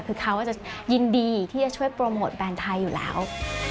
คือเขาจะยินดีที่จะช่วยโปรโมทแบรนด์ไทยอยู่แล้ว